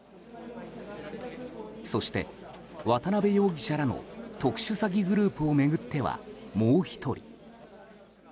そして渡邉容疑者らの特殊詐欺グループを巡ってはもう１人。